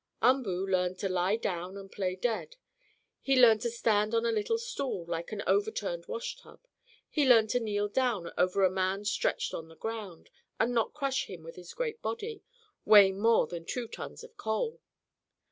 Umboo learned to lie down and "play dead," he learned to stand on a little stool, like an over turned washtub, he learned to kneel down over a man stretched on the ground, and not crush him with the great body, weighing more than two tons of coal.